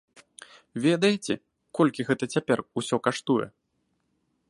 Ведаеце, колькі гэта цяпер усё каштуе?